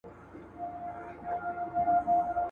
که انسان خپل کرامت ونه ساتي، ارزښت به بايلوي.